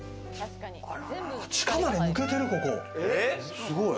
地下まで抜けてる。